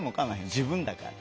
自分だから。